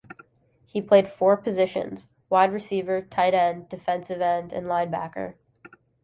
He played four positions-wide receiver, tight end, defensive end and linebacker.